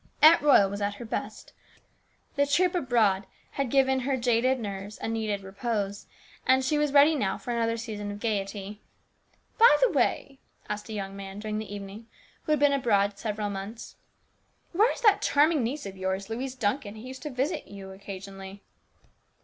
Aunt Royal was at her best ; the trip abroad had given her jaded nerves a needed repose, and she was ready now for another season of gaiety. " By the way," asked a young man during the evening, who had been abroad several months, " where is that charming niece of yours, Louise Duncan, who used to visit you occasionally